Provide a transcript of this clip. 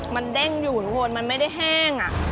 มันเด้งอยู่ทุกคนมันไม่ได้แห้ง